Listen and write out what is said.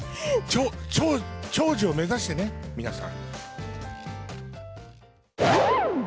長寿を目指してね、皆さん。